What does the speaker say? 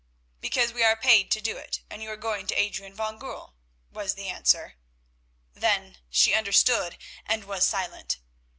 "Because we are paid to do it, and you are going to Adrian van Goorl," was the answer. Then she understood, and was silent.